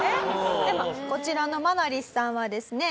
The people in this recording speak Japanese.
こちらのマナリスさんはですね